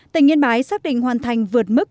tỉnh yên bái xác định hoàn thành vượt mức